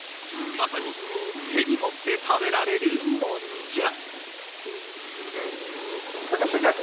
まさに、手に持って食べられるもんじゃ。